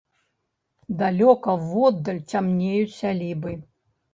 Далёка воддаль цямнеюць сялібы.